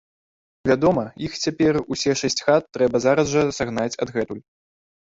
Вядома, іх цяпер, усе шэсць хат, трэба зараз жа сагнаць адгэтуль.